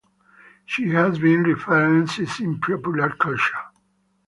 She has been referenced in popular culture.